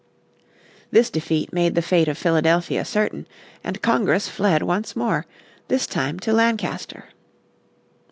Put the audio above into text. This defeat made the fate of Philadelphia certain, and Congress fled once more, this time to Lancaster.